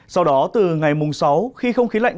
sau đó từ ngày mùng sáu khi không khí lạnh